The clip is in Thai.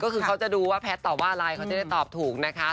ก็คือเขาจะดูว่าแพทย์ตอบว่าอะไรเขาจะได้ตอบถูกนะคะ